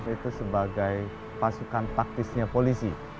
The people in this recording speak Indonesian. itu sebagai pasukan taktisnya polisi